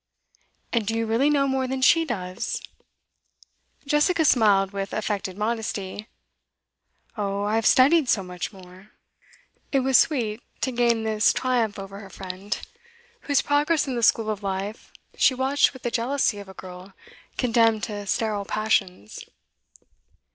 'And do you really know more than she does?' Jessica smiled with affected modesty. 'Oh, I have studied so much more.' It was sweet to gain this triumph over her friend, whose progress in the school of life she watched with the jealousy of a girl condemned to sterile passions.